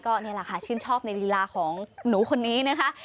ก็นี่แหละค่ะชื่นชอบในลีลาของหนูคนนี้นะคะ